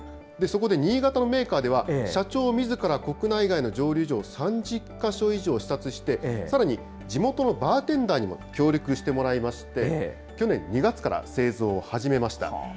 そこで新潟のメーカーでは、社長みずから国内外の蒸留所を３０か所以上視察してさらに地元のバーテンダーにも協力してもらいまして、去年２月から製造を始めました。